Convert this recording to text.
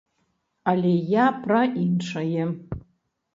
Але я пра іншае.